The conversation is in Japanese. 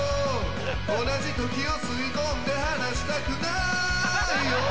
同じ時を吸いこんで離したくないよ